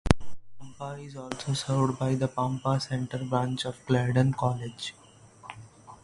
Pampa is also served by the Pampa Center branch of Clarendon College.